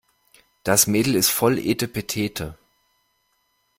Das Mädel ist voll etepetete.